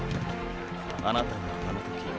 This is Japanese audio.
あなたはあの時――